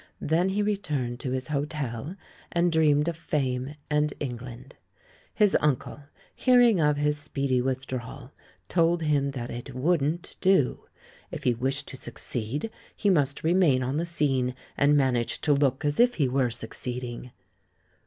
Then he returned to his hotel, and dreamed of fame and England. His uncle, hearing of his speedy withdrawal, told him that it wouldn't do. If he wished to succeed, he must remain on the scene and man age to look as if he were succeeding.